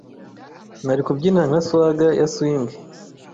Nari kubyina nka swagger ya swingi